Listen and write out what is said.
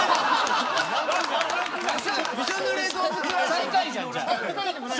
最下位じゃんか。